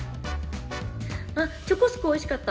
チョコスコおいしかった。